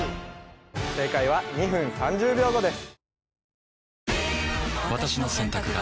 正解は２分３０秒後です